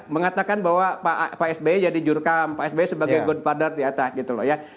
mengatakan bahwa pak sby jadi jurkam pak sby sebagai gunpowder di atas gitu loh